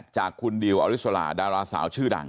จากคุณดิวอริสราดาราสาวชื่อดัง